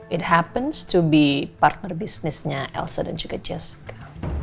terjadi menjadi partner bisnisnya elsa dan juga jessica